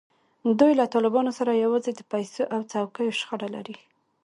دوی له طالبانو سره یوازې د پیسو او څوکیو شخړه لري.